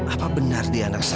apa benar di anak saya